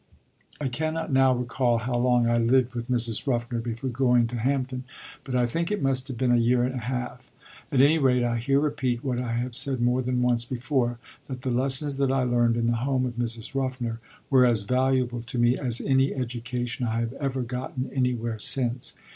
I cannot now recall how long I lived with Mrs. Ruffner before going to Hampton, but I think it must have been a year and a half. At any rate, I here repeat what I have said more than once before, that the lessons that I learned in the home of Mrs. Ruffner were as valuable to me as any education I have ever gotten anywhere since.